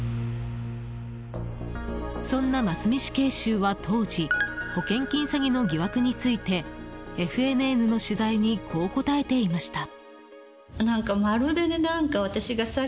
そんな真須美死刑囚は当時、保険金詐欺の疑惑についてＦＮＮの取材にこう答えていました。